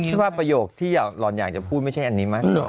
ว่าประโยคที่หล่อนอยากจะพูดไม่ใช่อันนี้ไหม